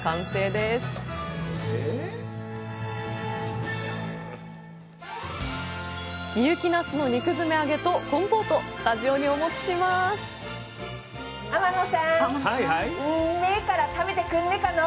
なすの肉詰め揚げとコンポートスタジオにお持ちしますうん。